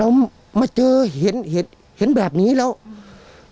เรามาเจอเห็นเห็นแบบนี้แล้วอืม